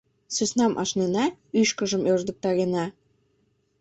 — Сӧснам ашнена, ӱшкыжым ӧрдыктарена.